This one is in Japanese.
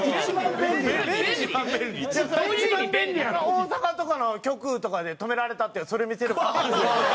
大阪とかの局とかで止められたってそれ見せれば。